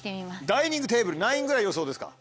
ダイニングテーブル何位ぐらい予想ですか？